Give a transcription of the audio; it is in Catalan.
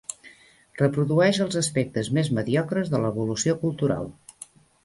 Reprodueix els aspectes més mediocres de l'evolució cultural.